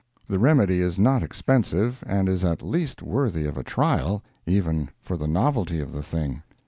The remedy is not expensive, and is at least worthy of a trial, even for the novelty of the thing.